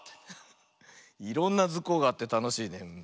いろんな「ズコ！」があってたのしいね。